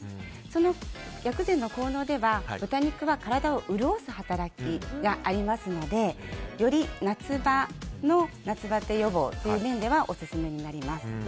その薬膳の効能では豚肉は体を潤す働きがありますのでより夏バテ予防という面ではオススメになります。